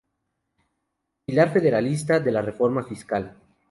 Pilar federalista de la reforma fiscal.